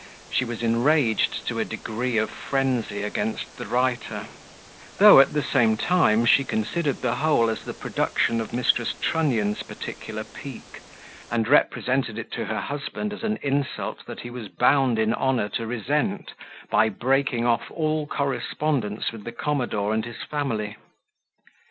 She was enraged to a degree of frenzy against the writer; though, at the same time, she considered the whole as the production of Mrs. Trunnion's particular pique, and represented it to her husband as an insult that he was bound in honour to resent, by breaking off all correspondence with the commodore and his family.